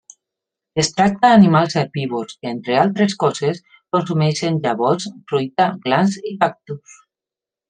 Es tracta d'animals herbívors que, entre altres coses, consumeixen llavors, fruita, glans i cactus.